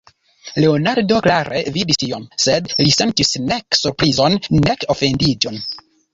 Leonardo klare vidis tion, sed li sentis nek surprizon, nek ofendiĝon.